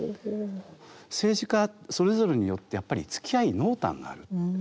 政治家それぞれによってやっぱりつきあいに濃淡がある。